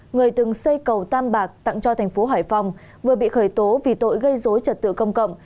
người từng xây cầu tam bạc tặng cho thành phố hải phòng vừa bị khởi tố vì tội gây dối trật tự công cộng